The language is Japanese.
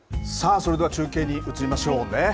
それでは中継に移りましょう。